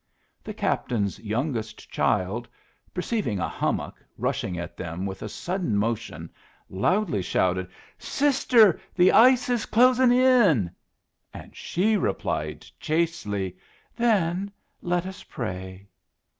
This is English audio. The Captain's youngest child, perceiving a hummock rushing at them with a sudden motion, loudly shouted, "Sister, the ice is closing in!" and she replied, chastely, "Then let us pray."